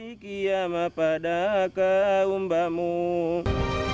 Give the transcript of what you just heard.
kisah kisah yang menyebabkan peradaban islam di negeri seribu benteng